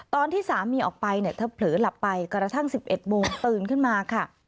ตอนที่สามีออกไปเนี่ยเธอเผลอหลับไปกระทั่ง๑๑โมงตื่นขึ้นมาค่ะ